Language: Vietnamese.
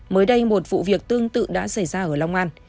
mới đây một vụ việc tương tự đã xảy ra ở long an